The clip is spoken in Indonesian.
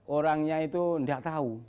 orangnya itu tidak tahu